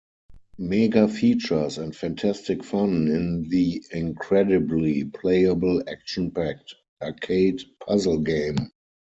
Mega features and fantastic fun in the incredibly playable, action packed, arcade puzzle game!